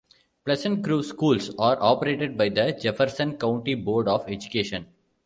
Pleasant Grove Schools are operated by the Jefferson County Board of Education.